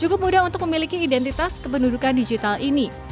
cukup mudah untuk memiliki identitas kependudukan digital ini